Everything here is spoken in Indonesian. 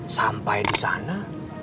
sampai di sana